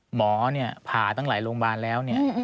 หมอเนี่ยผ่าตั้งหลายโรงพยาบาลแล้วเนี่ย